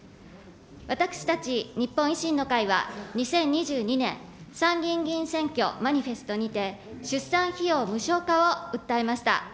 私たち日本維新の会は２０２２年、参議院選挙マニフェストにて、出産費用無償化を訴えました。